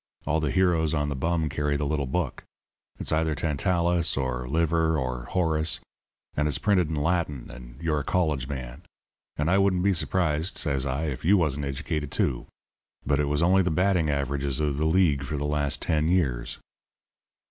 All the heroes on the bum carry the little book. It's either Tantalus or Liver or Horace, and its printed in Latin, and you're a college man. And I wouldn't be surprised,' says I, 'if you wasn't educated, too.' But it was only the batting averages of the League for the last ten years.